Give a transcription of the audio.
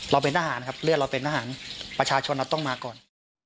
เราเป็นทหารครับเลือดเราเป็นทหารประชาชนเราต้องมาก่อน